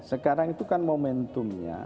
sekarang itu kan momentumnya